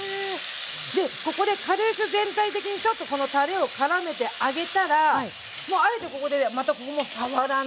でここで軽く全体的にちょっとこのたれをからめてあげたらもうあえてここで全くここもう触らない。